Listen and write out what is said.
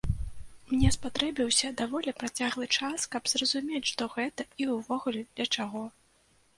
Мне спатрэбіўся даволі працяглы час, каб зразумець, што гэта, і ўвогуле для чаго.